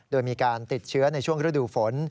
โดยมีการติดเชื้อในช่วงฤดูฝน